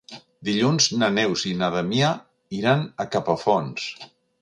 Dilluns na Neus i na Damià iran a Capafonts.